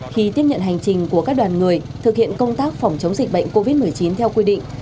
khi tiếp nhận hành trình của các đoàn người thực hiện công tác phòng chống dịch bệnh covid một mươi chín theo quy định